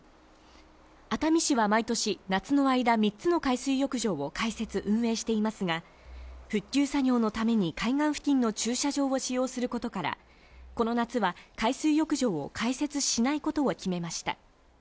熱海市は毎年夏の間、３つの海水浴場を開設・運営していますが、復旧作業のために海岸付近の駐車場を使用することから、この夏は海水浴場を開設しないことを決めました。